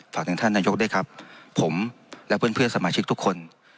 ฝากถึงท่านนายกด้วยครับผมและเพื่อนเพื่อนสมาชิกทุกคน